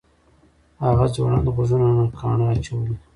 هغه ځوړند غوږونه کاڼه اچولي